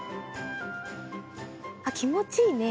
あっきもちいいね。